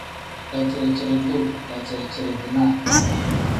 Daciri-ciri-duu pl: daciri-ciri-dinaa n.